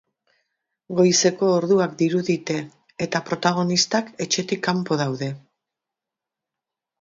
Goizeko orduak dirudite eta protagonistak etxetik kanpo daude.